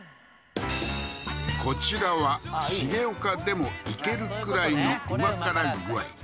こちらは重岡でもいけるくらいの旨辛具合